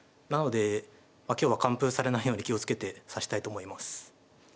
なので今日は完封されないように気を付けて指したいと思います。